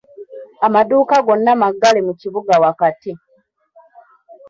Amadduuka gonna maggale mu kibuga wakati.